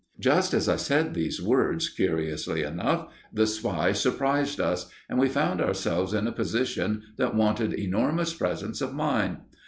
Just as I said these words, curiously enough, the spy surprised us, and we found ourselves in a position that wanted enormous presence of mind.